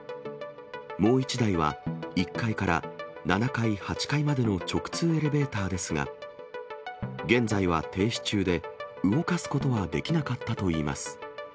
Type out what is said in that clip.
もう１台は、１階から７階、８階までの直通エレベーターですが、現在は停止中で、動かすことができなかったといいます。